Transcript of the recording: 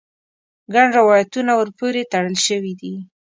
ګڼ روایتونه ور پورې تړل شوي دي.